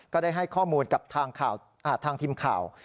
ได้ให้ข้อมูลกับทางทีมข่าว